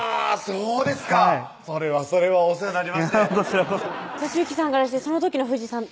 そうですかそれはそれはお世話になりまして寿幸さんからしてその時の藤井さん